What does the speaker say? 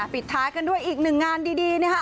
ปิดท้ายกันด้วยอีกหนึ่งงานดีนะคะ